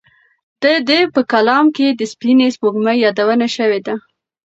د ده په کلام کې د سپینې سپوږمۍ یادونه شوې ده.